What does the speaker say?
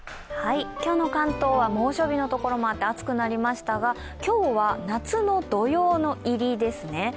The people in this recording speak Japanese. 今日の関東は猛暑日の所もあって暑くなりましたが今日は夏の土用の入りですね。